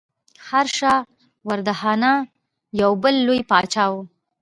هرشا وردهنا یو بل لوی پاچا و.